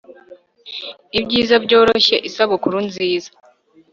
ibyiza byoroshye isabukuru nziza